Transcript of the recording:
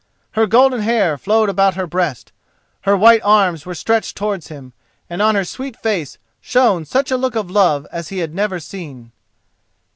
Her golden hair flowed about her breast, her white arms were stretched towards him, and on her sweet face shone such a look of love as he had never seen.